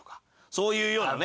そういうようなね。